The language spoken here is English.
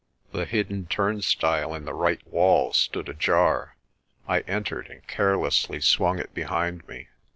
The hidden turnstile in the right wall stood ajar; I entered and carelessly swung it behind me.